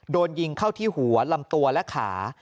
โดนยิงเข้าที่หัวลำตัวและขา